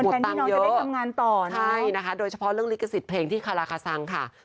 หมุดตามเยอะใช่นะคะโดยเฉพาะเรื่องลิขสิทธิ์เพลงที่คาราคาซังค่ะหมุดตามเยอะ